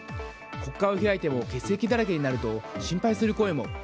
国会を開いても欠席だらけになると心配する声も。